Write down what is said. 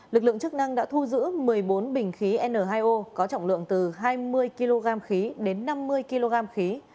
lực lượng chức năng đã thu giữ một mươi bốn bình khí n hai o có trọng lượng từ hai mươi kg khí đến năm mươi kg khí